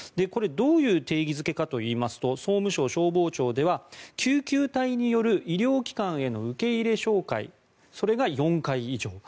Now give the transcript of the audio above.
これはどういう定義付けかといいますと総務省消防庁では、救急隊による医療機関への受け入れ照会それが４回以上。